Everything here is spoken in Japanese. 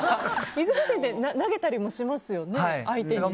水風船って投げたりもしますよね、相手に。